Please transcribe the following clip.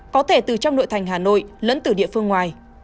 có thể từ trong nội thành hà nội lẫn từ địa phương ngoài